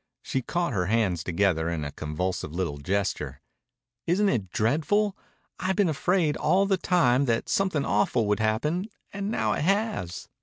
She caught her hands together in a convulsive little gesture. "Isn't it dreadful? I've been afraid all the time that something awful would happen and now it has."